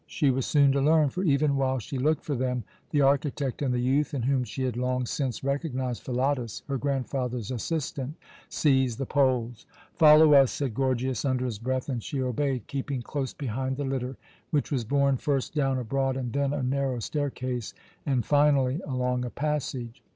She was soon to learn; for, even while she looked for them, the architect and the youth, in whom she had long since recognized Philotas, her grandfather's assistant, seized the poles. "Follow us," said Gorgias, under his breath, and she obeyed, keeping close behind the litter, which was borne first down a broad and then a narrow staircase, and finally along a passage.